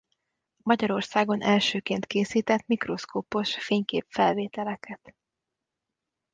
Magyarországon elsőként készített mikroszkópos fényképfelvételeket.